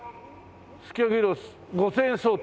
すき焼きロース５０００円相当。